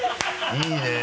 いいね。